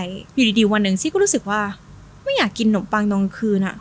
อยู่ดีวันหนึ่งซี่ก็รู้สึกว่าไม่อยากกินนมปังตอนกลางคืนอ่ะ